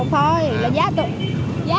chua ba mươi năm bốn mươi